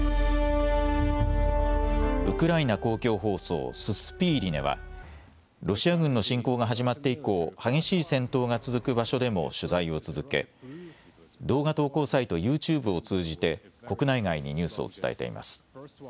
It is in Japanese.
ウクライナ公共放送ススピーリネはロシア軍の侵攻が始まって以降、激しい戦闘が続く場所でも取材を続け、動画投稿サイトＹｏｕＴｕｂｅを通じて国内外にニュースを伝えています。